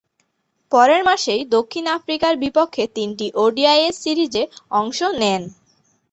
পরের মাসেই দক্ষিণ আফ্রিকার বিপক্ষে তিনটি ওডিআইয়ের সিরিজে অংশ নেন।